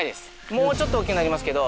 もうちょっと大きくなりますけど。